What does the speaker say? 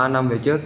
ba năm về trước